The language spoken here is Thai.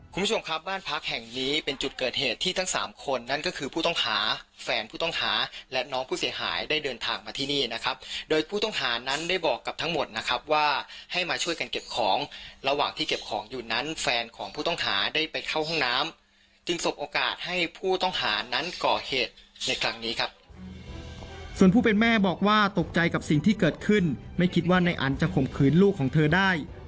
คุณผู้ชมครับบ้านพักแห่งนี้เป็นจุดเกิดเหตุที่ทั้ง๓คนนั้นก็คือผู้ต้องหาแฟนผู้ต้องหาและน้องผู้เสียหายได้เดินทางมาที่นี่นะครับโดยผู้ต้องหานั้นได้บอกกับทั้งหมดนะครับว่าให้มาช่วยกันเก็บของระหว่างที่เก็บของอยู่นั้นแฟนของผู้ต้องหาได้ไปเข้าห้องน้ำจึงสบโอกาสให้ผู้ต้องหานั้นก่อเหตุในครั้งนี้ครั